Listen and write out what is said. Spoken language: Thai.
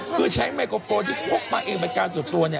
คือแบบไมโครโพสต์ที่พกมาเองบัตกาลสูตรตัวเนี่ย